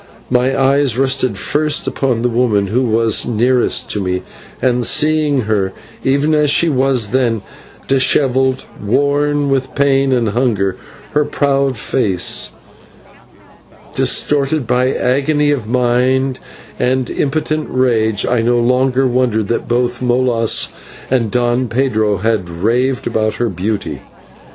My eyes rested first upon the woman, who was nearest to me, and seeing her, even as she was then, dishevelled, worn with pain and hunger, her proud face distorted by agony of mind and impotent rage, I no longer wondered that both Molas and Don Pedro had raved about her beauty.